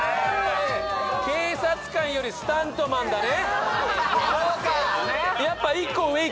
警察官よりスタントマンだね。